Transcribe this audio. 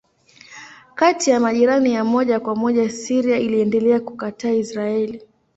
Kati ya majirani ya moja kwa moja Syria iliendelea kukataa Israeli.